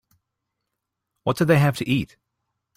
What did they have to eat?